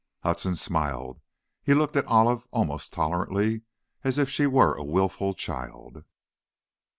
Hudson smiled. He looked at Olive almost tolerantly, as if she were a wilful child.